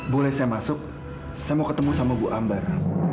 boleh saya masuk saya mau ketemu sama bu ambar